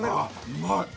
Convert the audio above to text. うまい。